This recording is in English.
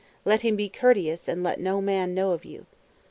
Let him be courteous and let no man know of you.